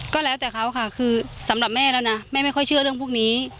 ก็แล้วแต่เขาค่ะคือสำหรับแม่แล้วนะแม่ไม่ค่อยเชื่อเรื่องพวกนี้